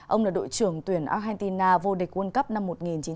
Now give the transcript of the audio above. ông là đội trưởng tuyển argentina vô địch quân cấp năm một nghìn chín trăm tám mươi hai